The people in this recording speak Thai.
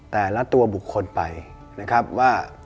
แต่ละตัวบุคคลไปนะครับว่า